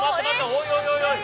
おいおいおいおい！